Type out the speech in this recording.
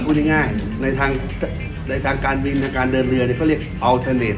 พูดง่ายในท่างการดลอยอัลทีเนต